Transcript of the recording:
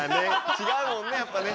違うもんねやっぱね。